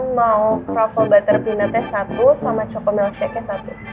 mau kroffel butter peanut nya satu sama choco mel shake nya satu